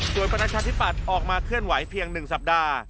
ส่วนประชาธิปัตย์ออกมาเคลื่อนไหวเพียง๑สัปดาห์